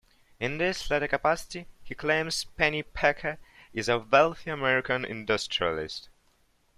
In this latter capacity, he claims Pennypacker is a wealthy American industrialist.